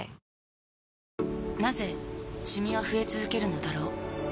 なぜシミは増え続けるのだろう